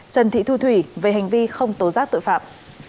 trần thị thu thủy về hành vi không tố giác tội phạm